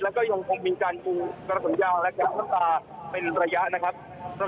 แล้วก็ยังคงมีการดูกระสนยาวและกระสนตาเป็นระยะนะครับ